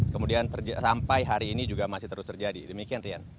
kemudian sampai hari ini juga masih terus terjadi demikian rian